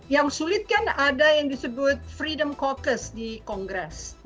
yang sulit kan ada yang disebut freedom kokes di kongres